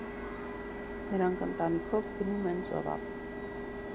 Նրանք ընտանիքով գնում են ծովափ։